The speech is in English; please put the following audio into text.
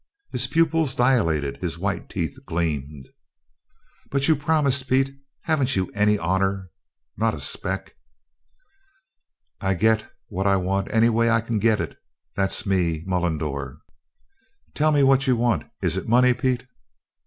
His pupils dilated, his white teeth gleamed. "But you promised, Pete! Haven't you any honor not a speck?" "I git what I want any way I can git it. That's me Mullendore." "Tell me what you want! Is it money, Pete?"